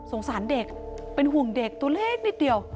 สารเด็กเป็นห่วงเด็กตัวเล็กนิดเดียว